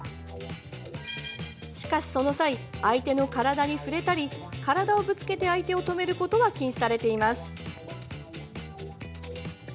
しかし、その際相手の体に触れたり体をぶつけて相手を止めることは禁止されています。